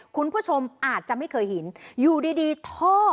คุณผู้ชมอาจจะไม่เคยเห็นอยู่ดีท่อ